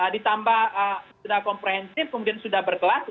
ditambah sudah komprehensif kemudian sudah berkelas